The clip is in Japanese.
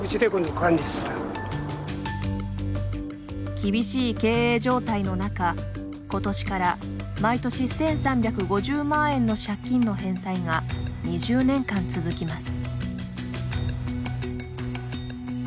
厳しい経営状態の中今年から毎年１３５０万円の借金の返済が２０年間続きます。